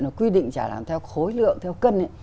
nó quy định trả làm theo khối lượng theo cân